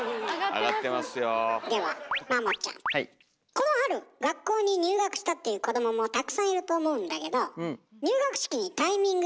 この春学校に入学したっていう子どももたくさんいると思うんだけど入学式にタイミング